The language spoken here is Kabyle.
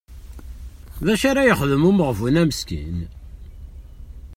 D acu ara yexdem umeɣbun-a meskin?